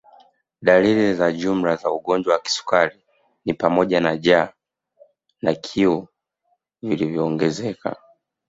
Dalili za jumla za ugonjwa wa kisukari ni pamoja na jaa na kiu viliyoongezeka